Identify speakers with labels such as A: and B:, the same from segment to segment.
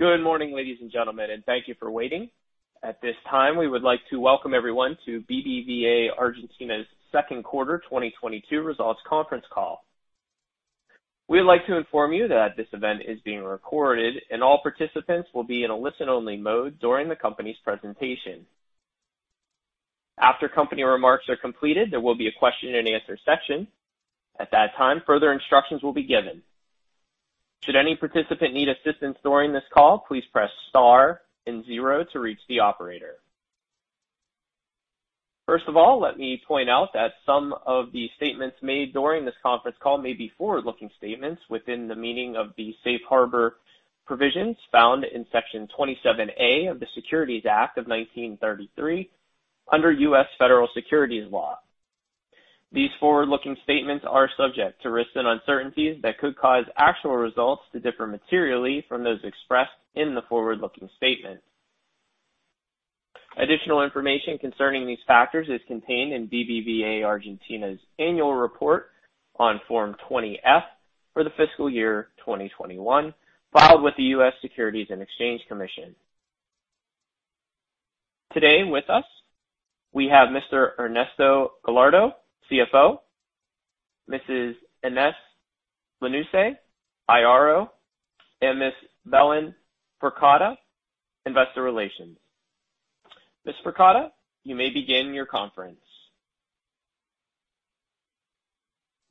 A: Good morning, ladies and gentlemen, and thank you for waiting. At this time, we would like to welcome everyone to Banco BBVA Argentina's second quarter 2022 results conference call. We would like to inform you that this event is being recorded and all participants will be in a listen only mode during the company's presentation. After company remarks are completed, there will be a question-and-answer session. At that time, further instructions will be given. Should any participant need assistance during this call, please press star and zero to reach the operator. First of all, let me point out that some of the statements made during this conference call may be forward-looking statements within the meaning of the safe harbor provisions found in section 27A of the Securities Act of 1933 under US Federal Securities Law. These forward-looking statements are subject to risks and uncertainties that could cause actual results to differ materially from those expressed in the forward-looking statement. Additional information concerning these factors is contained in BBVA Argentina's annual report on Form 20-F for the fiscal year 2021, filed with the US Securities and Exchange Commission. Today with us, we have Mr. Ernesto Gallardo, CFO, Mrs. Inés Lanusse, IRO, and Miss Belén Fourcade, Investor Relations. Ms. Fourcade, you may begin your conference.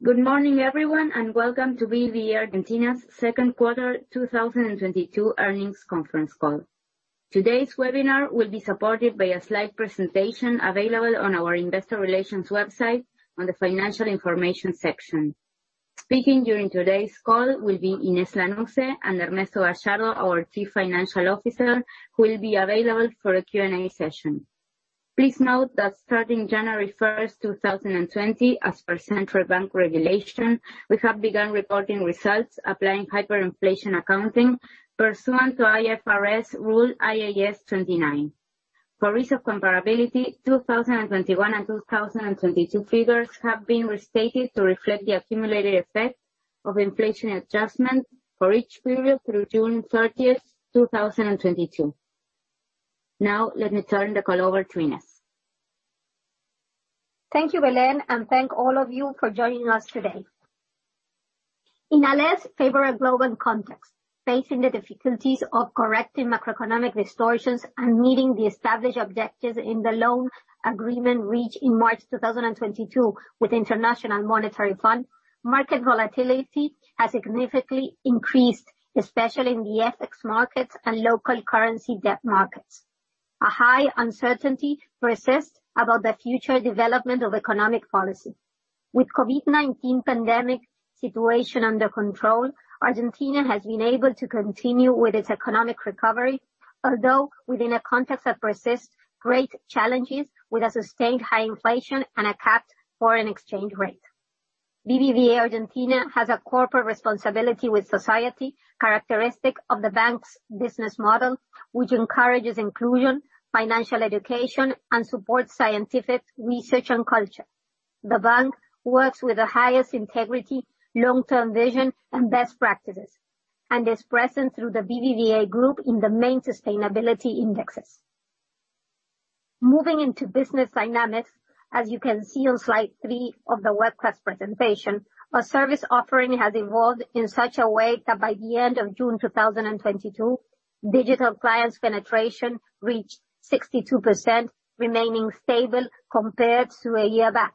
B: Good morning, everyone, and welcome to BBVA Argentina's second quarter 2022 earnings conference call. Today's webinar will be supported by a slide presentation available on our investor relations website on the financial information section. Speaking during today's call will be Inés Lanusse and Ernesto Gallardo, our Chief Financial Officer, who will be available for a Q&A session. Please note that starting January 1, 2020, as per central bank regulation, we have begun reporting results applying hyperinflation accounting pursuant to IFRS rule IAS 29. For reasons of comparability, 2021 and 2022 figures have been restated to reflect the accumulated effect of inflation adjustment for each period through June 30, 2022. Now let me turn the call over to Inés.
C: Thank you, Belén, and thank all of you for joining us today. In a less favorable global context, facing the difficulties of correcting macroeconomic distortions and meeting the established objectives in the loan agreement reached in March 2022 with International Monetary Fund, market volatility has significantly increased, especially in the FX markets and local currency debt markets. A high uncertainty persists about the future development of economic policy. With COVID-19 pandemic situation under control, Argentina has been able to continue with its economic recovery, although within a context that persists great challenges with a sustained high inflation and a capped foreign exchange rate. BBVA Argentina has a corporate responsibility with society, characteristic of the bank's business model, which encourages inclusion, financial education, and supports scientific research and culture. The bank works with the highest integrity, long-term vision, and best practices, and is present through the BBVA group in the main sustainability indexes. Moving into business dynamics, as you can see on slide 3 of the webcast presentation, our service offering has evolved in such a way that by the end of June 2022, digital clients penetration reached 62%, remaining stable compared to a year back.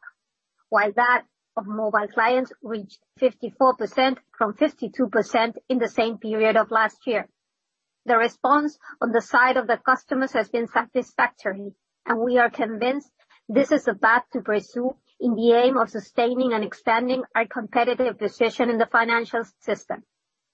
C: While that of mobile clients reached 54% from 52% in the same period of last year. The response on the side of the customers has been satisfactory, and we are convinced this is the path to pursue in the aim of sustaining and expanding our competitive position in the financial system.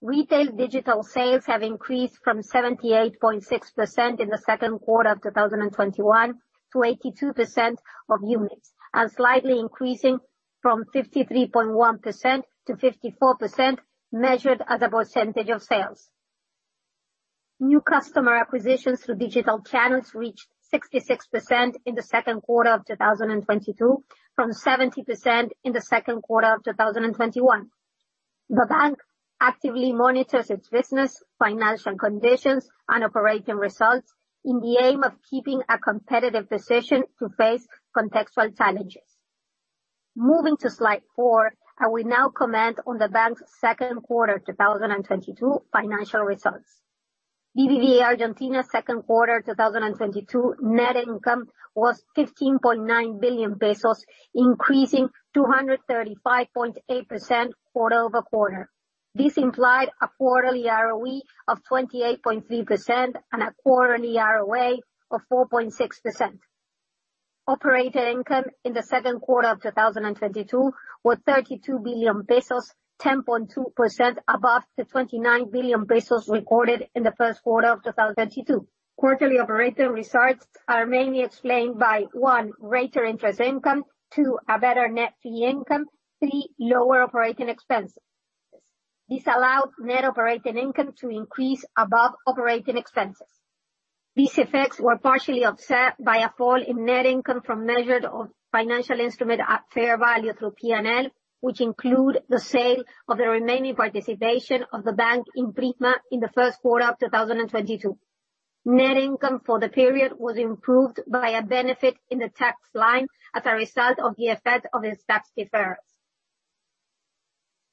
C: Retail digital sales have increased from 78.6% in the second quarter of 2021 to 82% of units, and slightly increasing from 53.1% to 54% measured as a percentage of sales. New customer acquisitions through digital channels reached 66% in the second quarter of 2022 from 70% in the second quarter of 2021. The bank actively monitors its business, financial conditions, and operating results in the aim of keeping a competitive position to face contextual challenges. Moving to slide 4, I will now comment on the bank's second quarter 2022 financial results. BBVA Argentina's second quarter 2022 net income was 15.9 billion pesos, increasing 235.8% quarter-over-quarter. This implied a quarterly ROE of 28.3% and a quarterly ROA of 4.6%. Operating income in the second quarter of 2022 was 32 billion pesos, 10.2% above the 29 billion pesos recorded in the first quarter of 2022. Quarterly operating results are mainly explained by, one, greater interest income. Two, a better net fee income. Three, lower operating expenses. This allowed net operating income to increase above operating expenses. These effects were partially offset by a fall in net income from measurement of financial instruments at fair value through P&L, which included the sale of the remaining participation of the bank in Prisma in the first quarter of 2022. Net income for the period was improved by a benefit in the tax line as a result of the effect of the tax deferrals.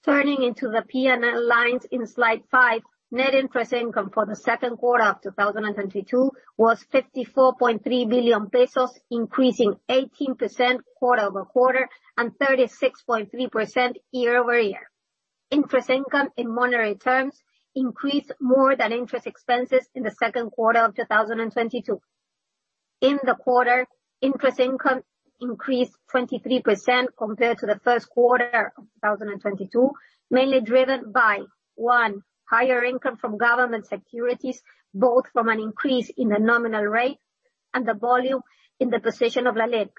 C: Turning to the P&L lines in slide 5, net interest income for the second quarter of 2022 was ARS 54.3 billion, increasing 18% quarter-over-quarter and 36.3% year-over-year. Interest income in monetary terms increased more than interest expenses in the second quarter of 2022. In the quarter, interest income increased 23% compared to the first quarter of 2022, mainly driven by, one, higher income from government securities, both from an increase in the nominal rate and the volume in the position of LELIQ.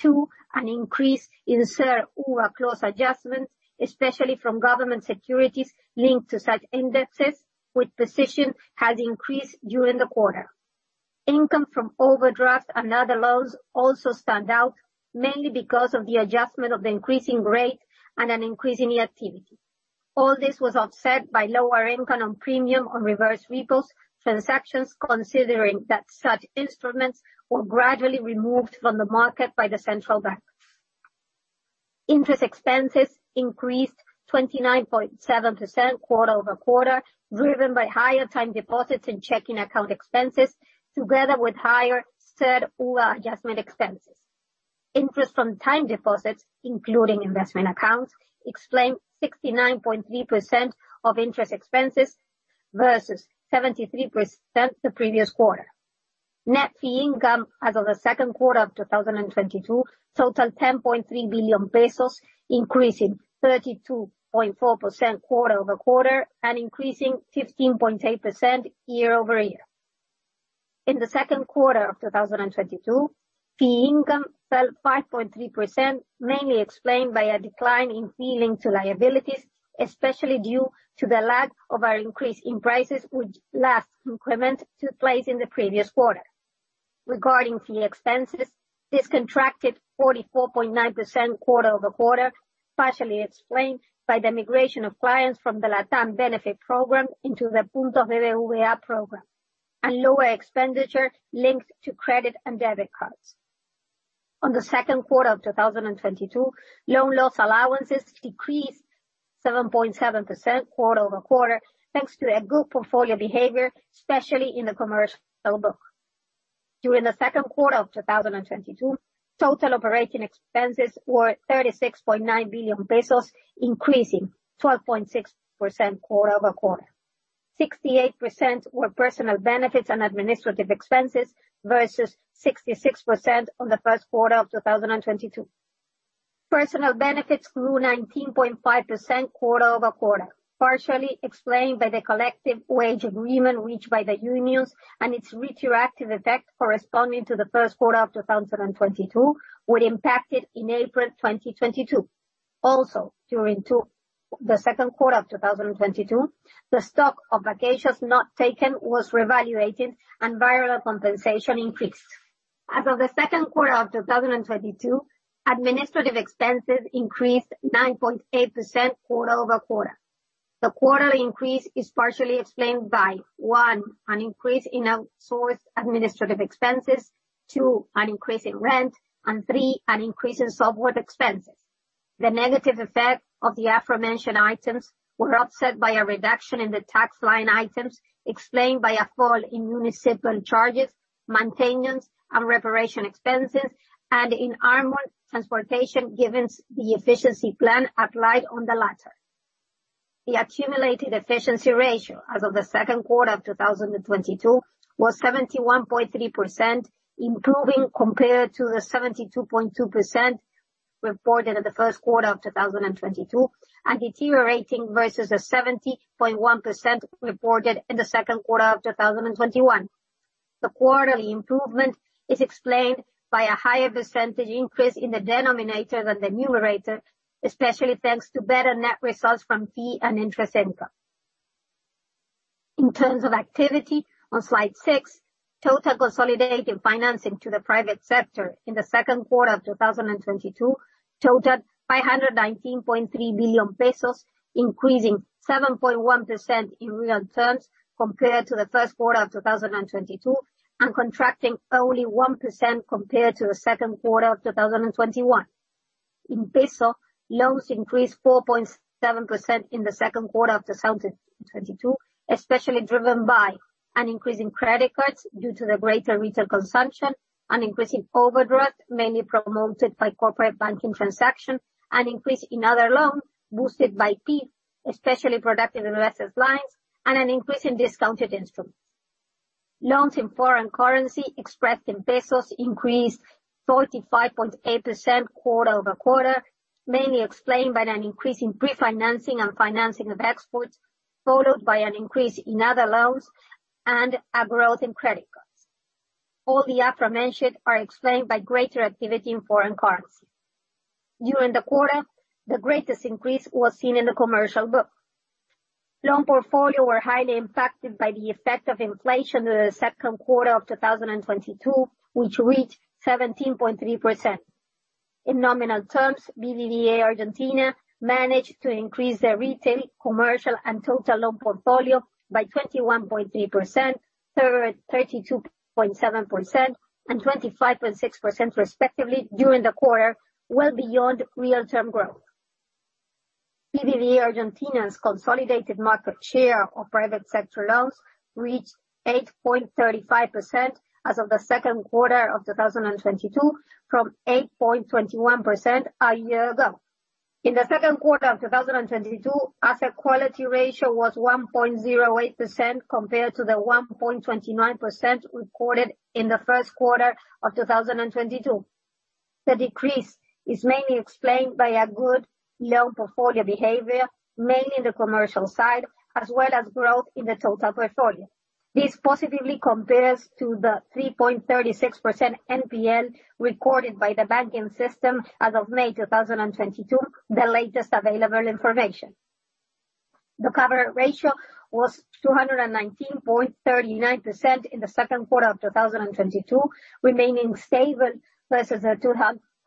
C: Two, an increase in CER/UVA clause adjustments, especially from government securities linked to such indexes, which position has increased during the quarter. Income from overdraft and other loans also stand out, mainly because of the adjustment of the increasing rate and an increase in the activity. All this was offset by lower income on premium on reverse repos transactions, considering that such instruments were gradually removed from the market by the central bank. Interest expenses increased 29.7% quarter-over-quarter, driven by higher time deposits and checking account expenses, together with higher CER/UVA adjustment expenses. Interest from time deposits, including investment accounts, explain 69.3% of interest expenses versus 73% the previous quarter. Net fee income as of the second quarter of 2022 total 10.3 billion pesos, increasing 32.4% quarter-over-quarter and increasing 15.8% year-over-year. In the second quarter of 2022, fee income fell 5.3%, mainly explained by a decline in fees linked to liabilities, especially due to the lag of our increase in prices, which last increment took place in the previous quarter. Regarding fee expenses, this contracted 44.9% quarter-over-quarter, partially explained by the migration of clients from the LATAM benefit program into the Puntos BBVA program and lower expenditure linked to credit and debit cards. In the second quarter of 2022, loan loss allowances decreased 7.7% quarter-over-quarter, thanks to a good portfolio behavior, especially in the commercial book. During the second quarter of 2022, total operating expenses were 36.9 billion pesos, increasing 12.6% quarter-over-quarter. 68% were personal benefits and administrative expenses, versus 66% on the first quarter of 2022. Personal benefits grew 19.5% quarter-over-quarter, partially explained by the collective wage agreement reached by the unions and its retroactive effect corresponding to the first quarter of 2022, which impacted in April 2022. Also, during the second quarter of 2022, the stock of vacations not taken was revalued and variable compensation increased. As of the second quarter of 2022, administrative expenses increased 9.8% quarter-over-quarter. The quarterly increase is partially explained by one, an increase in outsourced administrative expenses, two, an increase in rent, and three, an increase in software expenses. The negative effect of the aforementioned items were offset by a reduction in the tax line items, explained by a fall in municipal charges, maintenance and reparation expenses, and in armored transportation, given the efficiency plan applied on the latter. The accumulated efficiency ratio as of the second quarter of 2022 was 71.3%, improving compared to the 72.2% reported in the first quarter of 2022, and deteriorating versus the 70.1% reported in the second quarter of 2021. The quarterly improvement is explained by a higher percentage increase in the denominator than the numerator, especially thanks to better net results from fee and interest income. In terms of activity, on slide six, total consolidated financing to the private sector in the second quarter of 2022 totaled 519.3 billion pesos, increasing 7.1% in real terms compared to the first quarter of 2022, and contracting only 1% compared to the second quarter of 2021. In pesos, loans increased 4.7% in the second quarter of 2022, especially driven by an increase in credit cards due to the greater retail consumption, an increase in overdraft mainly promoted by corporate banking transactions, an increase in other loans boosted by fees, especially productive investment lines, and an increase in discounted instruments. Loans in foreign currency expressed in pesos increased 45.8% quarter-over-quarter, mainly explained by an increase in pre-financing and financing of exports, followed by an increase in other loans and a growth in credit cards. All the aforementioned are explained by greater activity in foreign currency. During the quarter, the greatest increase was seen in the commercial book. Loan portfolio were highly impacted by the effect of inflation in the second quarter of 2022, which reached 17.3%. In nominal terms, BBVA Argentina managed to increase their retail, commercial, and total loan portfolio by 21.3%, 32.7%, and 25.6% respectively during the quarter, well beyond real term growth. BBVA Argentina's consolidated market share of private sector loans reached 8.35% as of the second quarter of 2022, from 8.21% a year ago. In the second quarter of 2022, asset quality ratio was 1.08% compared to the 1.29% recorded in the first quarter of 2022. The decrease is mainly explained by a good loan portfolio behavior, mainly in the commercial side, as well as growth in the total portfolio. This positively compares to the 3.36% NPL recorded by the banking system as of May 2022, the latest available information. The cover ratio was 219.39% in the second quarter of 2022, remaining stable versus the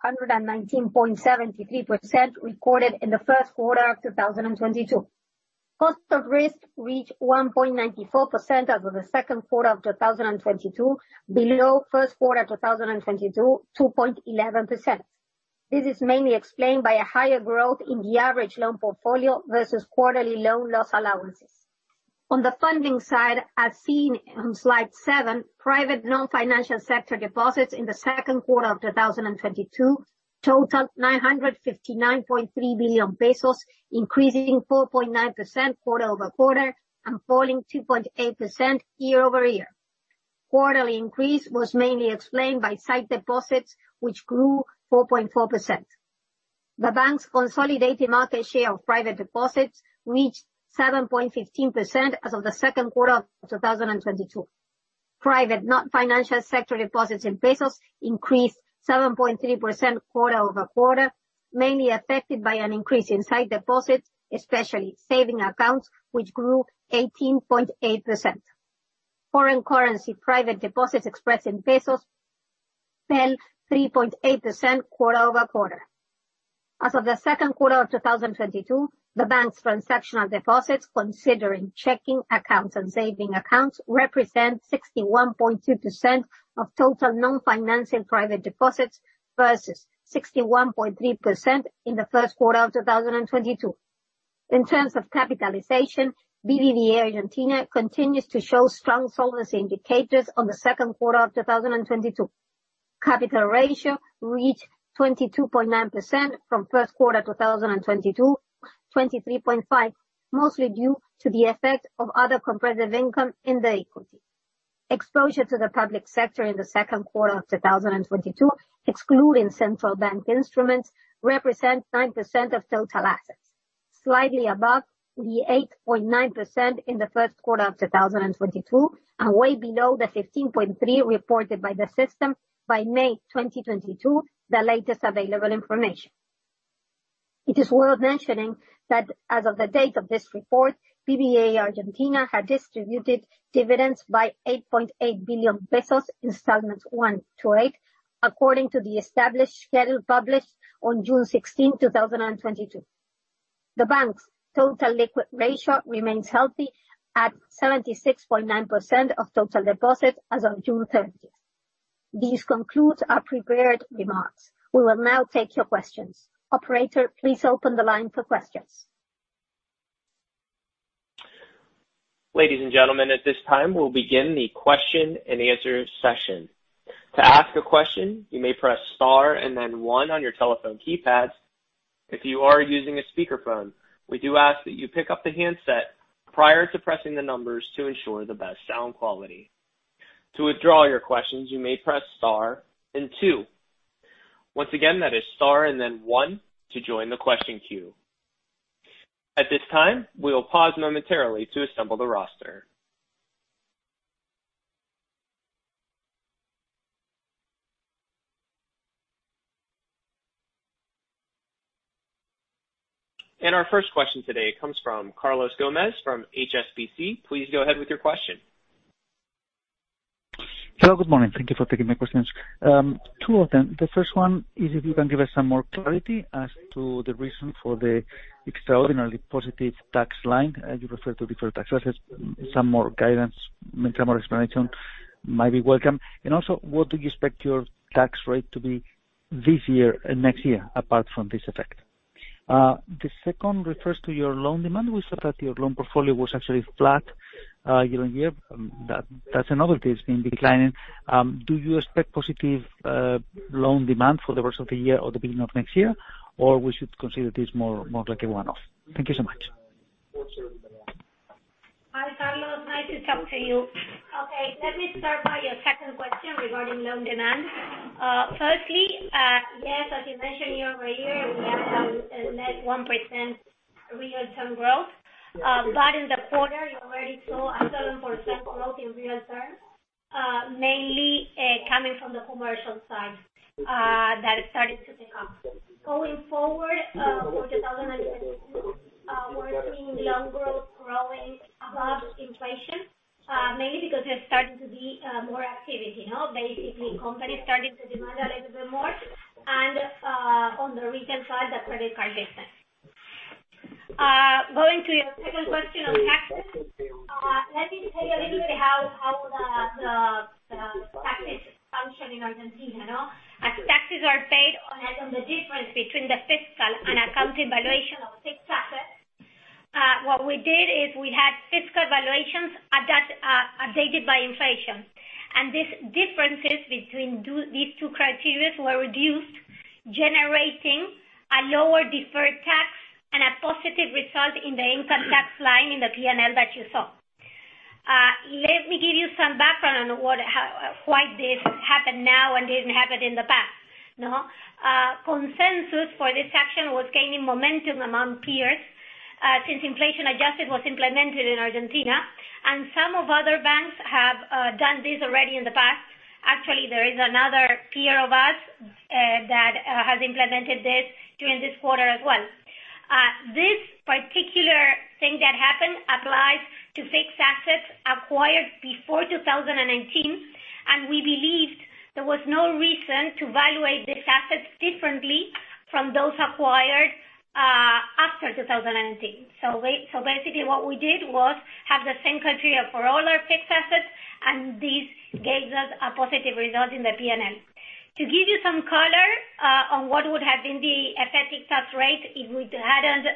C: 219.73% recorded in the first quarter of 2022. Cost of risk reached 1.94% as of the second quarter of 2022, below first quarter 2022, 2.11%. This is mainly explained by a higher growth in the average loan portfolio versus quarterly loan loss allowances. On the funding side, as seen on slide 7, private non-financial sector deposits in the second quarter of 2022 totaled 959.3 billion pesos, increasing 4.9% quarter-over-quarter, and falling 2.8% year-over-year. Quarterly increase was mainly explained by sight deposits, which grew 4.4%. The bank's consolidated market share of private deposits reached 7.15% as of the second quarter of 2022. Private non-financial sector deposits in pesos increased 7.3% quarter-over-quarter, mainly affected by an increase in sight deposits, especially savings accounts, which grew 18.8%. Foreign currency private deposits expressed in pesos fell 3.8% quarter-over-quarter. As of the second quarter of 2022, the bank's transactional deposits, considering checking accounts and savings accounts, represent 61.2% of total non-financial private deposits versus 61.3% in the first quarter of 2022. In terms of capitalization, BBVA Argentina continues to show strong solvency indicators on the second quarter of 2022. Capital ratio reached 22.9% from first quarter 2022, 23.5, mostly due to the effect of other comprehensive income in the equity. Exposure to the public sector in the second quarter of 2022, excluding central bank instruments, represent 9% of total assets, slightly above the 8.9% in the first quarter of 2022, and way below the 15.3 reported by the system by May 2022, the latest available information. It is worth mentioning that as of the date of this report, BBVA Argentina had distributed dividends by 8.8 billion pesos in installments 1 to 8, according to the established schedule published on June 16, 2022. The bank's total liquid ratio remains healthy at 76.9% of total deposits as of June 30. This concludes our prepared remarks. We will now take your questions. Operator, please open the line for questions.
A: Ladies and gentlemen, at this time, we'll begin the question-and-answer session. To ask a question, you may press star and then one on your telephone keypads. If you are using a speakerphone, we do ask that you pick up the handset prior to pressing the numbers to ensure the best sound quality. To withdraw your questions, you may press star and two. Once again, that is star and then one to join the question queue. At this time, we will pause momentarily to assemble the roster. Our first question today comes from Carlos Gomez-Lopez from HSBC. Please go ahead with your question.
D: Hello. Good morning. Thank you for taking my questions. Two of them. The first one is if you can give us some more clarity as to the reason for the extraordinarily positive tax line. You referred to deferred tax. So just some more guidance, maybe some more explanation might be welcome. Also, what do you expect your tax rate to be this year and next year, apart from this effect. The second refers to your loan demand. We saw that your loan portfolio was actually flat year-on-year. That that's a novelty. It's been declining. Do you expect positive loan demand for the rest of the year or the beginning of next year, or we should consider this more like a one-off? Thank you so much.
C: Hi, Carlos. Nice to talk to you. Okay, let me start by your second question regarding loan demand. Firstly, yes, as you mentioned year-over-year, we- A net 1% real term growth. In the quarter, you already saw a 1% growth in real terms, mainly coming from the commercial side that is starting to pick up. Going forward, for 2022, we're seeing loan growth growing above inflation, mainly because there's starting to be more activity. You know, basically companies starting to demand a little bit more and on the retail side, the credit card business. Going to your second question on taxes. Let me tell you a little bit how the taxes function in Argentina, no? Taxes are paid on the difference between the fiscal and accounting valuation of fixed assets. What we did is we had fiscal valuations updated by inflation. These differences between these two criteria were reduced, generating a lower deferred tax and a positive result in the income tax line in the P&L that you saw. Let me give you some background on what, how, why this happened now and didn't happen in the past, no? Consensus for this action was gaining momentum among peers since inflation adjustment was implemented in Argentina, and some other banks have done this already in the past. Actually, there is another peer of us that has implemented this during this quarter as well. This particular thing that happened applies to fixed assets acquired before 2019, and we believed there was no reason to valuate these assets differently from those acquired after 2019. Basically what we did was have the same criteria for all our fixed assets, and this gave us a positive result in the P&L. To give you some color on what would have been the effective tax rate if we hadn't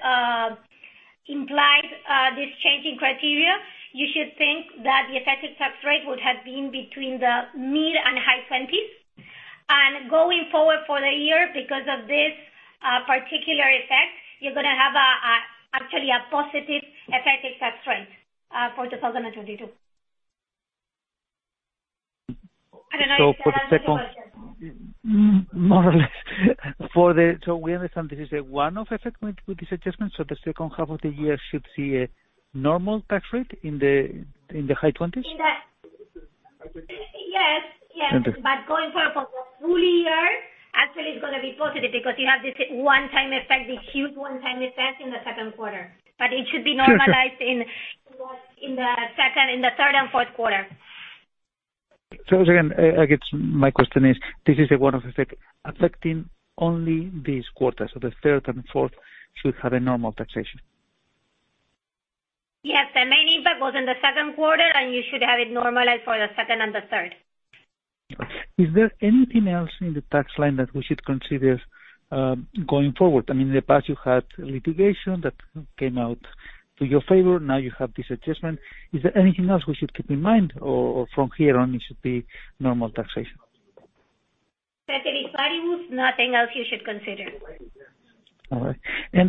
C: applied this change in criteria, you should think that the effective tax rate would have been between the mid-20s% and high 20s%. Going forward for the year because of this particular effect, you're gonna have, actually, a positive effective tax rate for 2022. I don't know if that answers your question.
D: More or less, we understand this is a one-off effect with this adjustment, so the second half of the year should see a normal tax rate in the high 20s?
C: Yes, yes.
D: Okay.
C: Going forward for the full year, actually it's gonna be positive because you have this one-time effect, this huge one-time effect in the second quarter. It should be normalized.
D: Sure, sure.
C: In the third and fourth quarter.
D: Again, I guess my question is, this is a one-off effect affecting only this quarter. The third and fourth should have a normal taxation.
C: Yes. The main impact was in the second quarter, and you should have it normalized for the second and the third.
D: Is there anything else in the tax line that we should consider going forward? I mean, in the past you had litigation that came out to your favor, now you have this adjustment. Is there anything else we should keep in mind or from here on it should be normal taxation?
C: That's it. Barring moves, nothing else you should consider.
D: All right.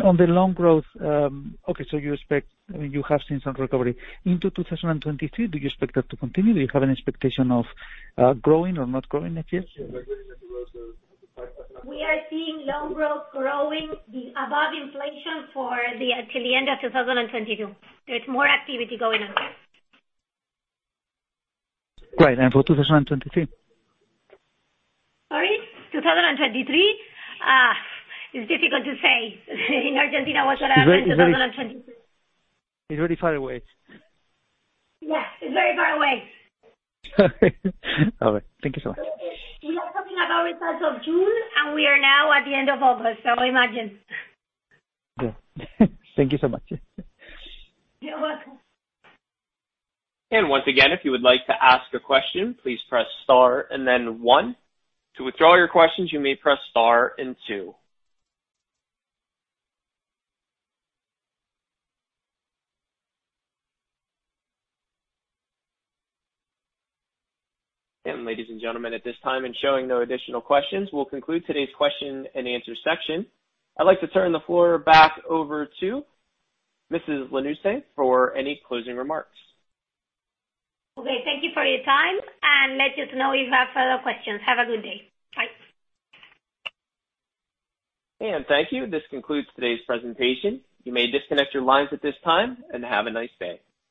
D: On the loan growth, I mean, you have seen some recovery. In 2023, do you expect that to continue? Do you have an expectation of growing or not growing next year?
C: We are seeing loan growth growing above inflation till the end of 2022. There's more activity going on there.
D: Great. For 2023?
C: Sorry, 2023? It's difficult to say, in Argentina, what will happen in 2023.
D: It's very far away.
C: Yeah. It's very far away.
D: All right. Thank you so much.
C: We are talking about results of June, and we are now at the end of August, so imagine.
D: Yeah. Thank you so much. Yeah, yeah.
C: You're welcome.
A: Once again, if you would like to ask a question, please press star and then one. To withdraw your questions, you may press star and two. Ladies and gentlemen, at this time and showing no additional questions, we'll conclude today's question-and-answer section. I'd like to turn the floor back over to Mrs. Inés Lanusse for any closing remarks.
C: Okay. Thank you for your time, and let us know if you have further questions. Have a good day. Bye.
A: Thank you. This concludes today's presentation. You may disconnect your lines at this time and have a nice day.